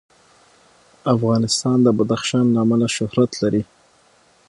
افغانستان د بدخشان له امله شهرت لري.